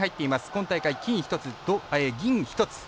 今大会、金１つ銀１つ。